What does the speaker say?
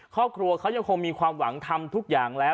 ครอบครัวเขายังคงมีความหวังทำทุกอย่างแล้ว